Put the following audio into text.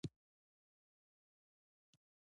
بس دی؛ د خره مرګ دې ورڅخه جوړ کړ.